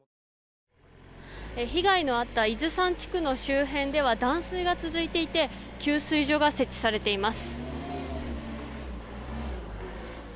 被害のあった伊豆山地区の周辺では断水が続いていて給水所が設置されています。